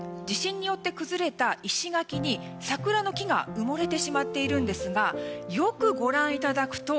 地震によって崩れた石垣に桜の木が埋もれてしまっているんですがよくご覧いただく